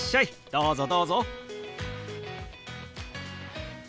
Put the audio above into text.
どうぞどうぞ。